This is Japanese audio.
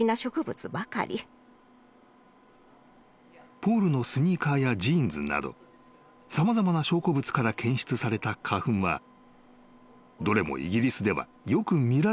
［ポールのスニーカーやジーンズなど様々な証拠物から検出された花粉はどれもイギリスではよく見られる植物のものだった］